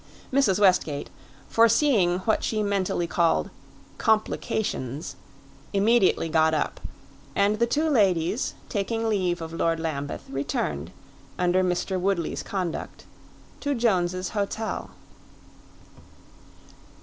Mrs. Westgate, foreseeing what she mentally called "complications," immediately got up; and the two ladies, taking leave of Lord Lambeth, returned, under Mr. Woodley's conduct, to Jones's Hotel.